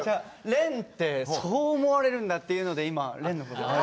廉ってそう思われるんだっていうので今廉のこと見てました。